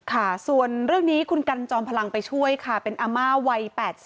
ค่ะส่วนเรื่องนี้คุณกันจอมพลังไปช่วยค่ะเป็นอาม่าวัย๘๐